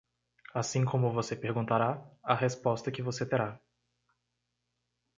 Assim como você perguntará, a resposta que você terá.